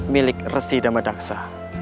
milik resi damadaksa